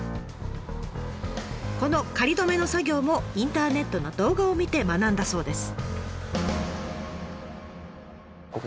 この仮止めの作業もインターネットの動画を見て学んだそうです。